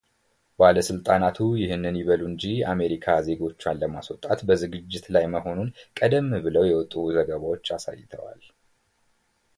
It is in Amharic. ባለስልጣናቱ ይህንን ይበሉ እንጂ አሜሪካ ዜጎቿን ለማስወጣት በዝግጅት ላይ መሆኑን ቀደም ብለው የወጡ ዘገባዎች አሳይተዋል።